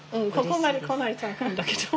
ここまで来ないとアカンだけど。